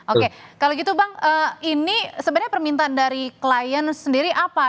oke kalau gitu bang ini sebenarnya permintaan dari klien sendiri apa